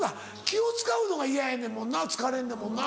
気を使うのが嫌やねんもんな疲れんねんもんな。